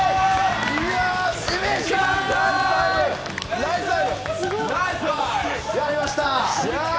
やりました！